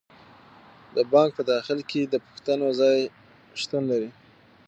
د بانک په داخل کې د پوښتنې ځای شتون لري.